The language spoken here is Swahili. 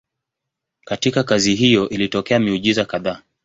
Katika kazi hiyo ilitokea miujiza kadhaa.